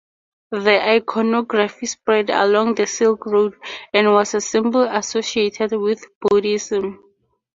The iconography spread along the Silk Road, and was a symbol associated with Buddhism.